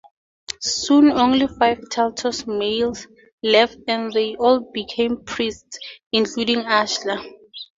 Soon only five Taltos males left, and they all become priests, including Ashlar.